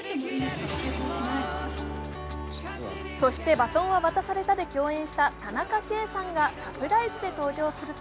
「そして、バトンは渡された」で共演した田中圭さんがサプライズで登場すると